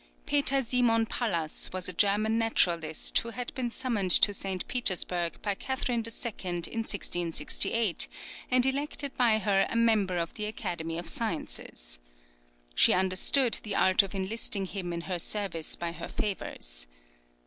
Peter Simon Pallas was a German naturalist, who had been summoned to St. Petersburg by Catherine II. in 1668, and elected by her a member of the Academy of Sciences. She understood the art of enlisting him in her service by her favours.